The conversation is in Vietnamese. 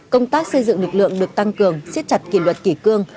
công tác xây dựng lực lượng được tăng cường siết chặt kỷ luật kỷ cương